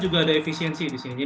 juga ada efisiensi di sini